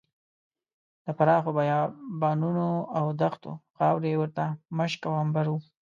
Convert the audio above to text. د پراخو بیابانونو او دښتونو خاورې ورته مشک او عنبر وو.